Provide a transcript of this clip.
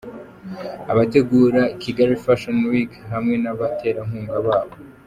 Abategura Kigali Fashion Week hamwe n'abaterankunga babo.